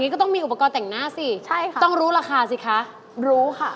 ก็ต้องมีอุปกรณ์แต่งหน้าสิใช่ค่ะต้องรู้ราคาสิคะรู้ค่ะ